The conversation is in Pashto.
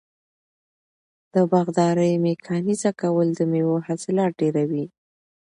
د باغدارۍ میکانیزه کول د میوو حاصلات ډیروي.